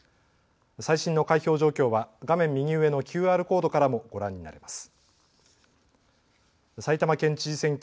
最新の開票状況は画面右上のＱＲコードからもご覧になれます。